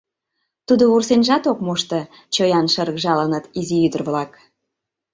Тудо вурсенжат ок мошто, чоян шыргыжалыныт изи ӱдыр-влак...